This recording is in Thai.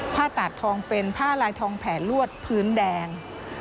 ตาดทองเป็นผ้าลายทองแผลลวดพื้นแดง